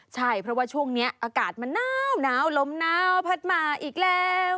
ใช่เพราะว่าช่วงนี้อากาศมันหนาวลมหนาวพัดมาอีกแล้ว